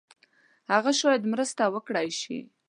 هغه شاید مرسته وکړای شي.